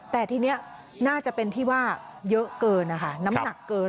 แต่ทีนี้น่าจะเป็นที่ว่าเยอะเกินนะคะน้ำหนักเกิน